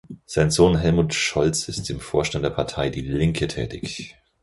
Sein Sohn Helmut Scholz ist im Vorstand der Partei Die Linke tätig.